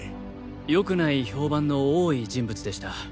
よくない評判の多い人物でした。